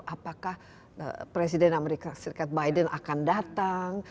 apakah presiden amerika serikat biden akan datang